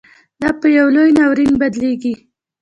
دا پـه يـو لـوى نـاوريـن بـدليږي.